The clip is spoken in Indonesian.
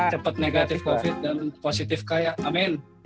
cepet negatif covid dan positif kaya amin